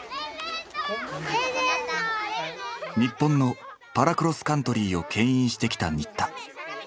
日本のパラクロスカントリーをけん引してきた新田